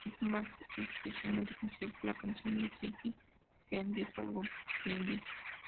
El grupo es especialmente conocido por la canción "Mississippi Queen" de su álbum "Climbing!